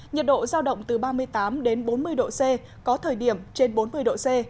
nhiệt độ giao động từ ba mươi tám đến bốn mươi độ c có thời điểm trên bốn mươi độ c